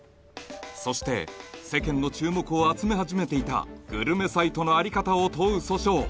そして世間の注目を集め始めていたグルメサイトのあり方を問う訴訟